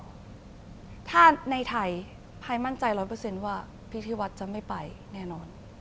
ก็ถ้าในไทยพายมั่นใจ๑๐๐ว่าพี่ธิวัตรจะไม่ไปแน่นอน